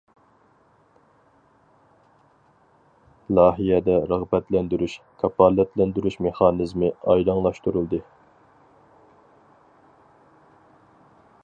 « لايىھە» دە رىغبەتلەندۈرۈش، كاپالەتلەندۈرۈش مېخانىزمى ئايدىڭلاشتۇرۇلدى.